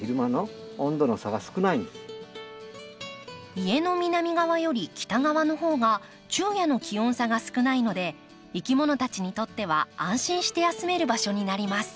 家の南側より北側の方が昼夜の気温差が少ないのでいきものたちにとっては安心して休める場所になります。